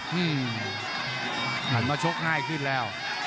หันมาชกง่ายขึ้นแล้ว